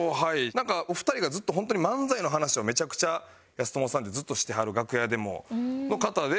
なんかお二人がずっとホントに漫才の話をめちゃくちゃやすともさんってずっとしてはる楽屋でもの方で。